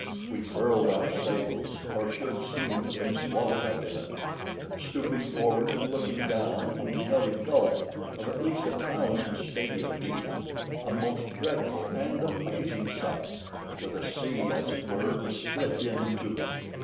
We furled our sails, or should soon have been swallowed up in it. Stooping forward, and looking down, we beheld a gulf of at least a thousand stadia deep, a most dreadful and amazing sight, for the sea as it were was split in two.